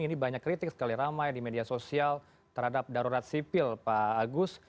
ini banyak kritik sekali ramai di media sosial terhadap darurat sipil pak agus